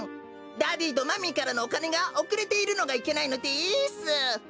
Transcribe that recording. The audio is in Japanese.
ダディーとマミーからのおかねがおくれているのがいけないのです。